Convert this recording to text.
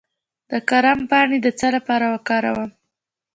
د کرم پاڼې د څه لپاره وکاروم؟